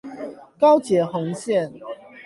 高捷紅線